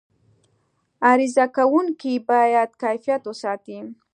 عرضه کوونکي باید کیفیت وساتي.